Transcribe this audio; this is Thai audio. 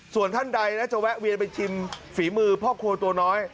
ส่วนท่านใดนะจะแวะเวียนไปชิมฝีมือพ่อครัวตัวน้อย